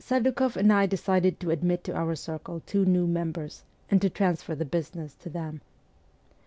Serdukoff and I decided to admit to our circle two new members, and to transfer the busi ness to them.